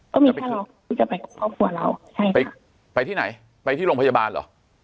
ก็มีแค่เราที่จะไปกับครอบครัวเราใช่ค่ะไปไปที่ไหนไปที่โรงพยาบาลเหรอ